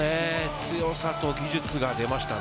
強さと技術が出ましたね。